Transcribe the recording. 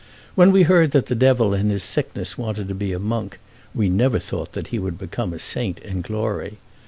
When we heard that the Devil in his sickness wanted to be a monk, we never thought that he would become a saint in glory.